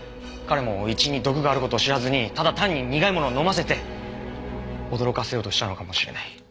彼もイチイに毒がある事を知らずにただ単に苦いものを飲ませて驚かせようとしたのかもしれない。